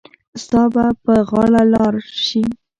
ستا به په غاړه لار شي.